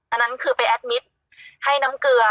อันนั้นคือไปรับสะดวกให้น้ำเกลือ